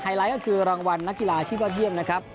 ไลท์ก็คือรางวัลนักกีฬาอาชีพยอดเยี่ยมนะครับ